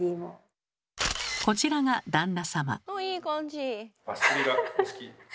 こちらが旦那様。